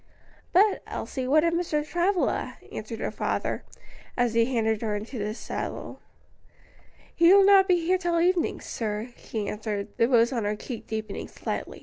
"But, Elsie, what of Mr. Travilla?" asked her father, as he handed her into the saddle. "He will not be here till evening, sir," she answered, the rose on her cheek deepening slightly.